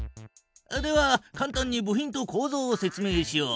ではかん単に部品とこうぞうを説明しよう。